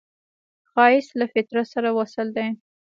ښایست له فطرت سره وصل دی